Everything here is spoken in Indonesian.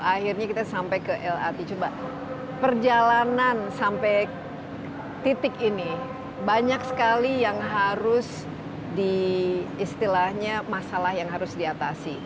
akhirnya kita sampai ke lrt coba perjalanan sampai titik ini banyak sekali yang harus diistilahnya masalah yang harus diatasi